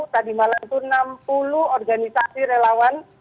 tadi malam itu enam puluh organisasi relawan